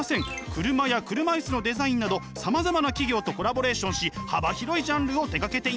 車や車椅子のデザインなどさまざまな企業とコラボレーションし幅広いジャンルを手がけています。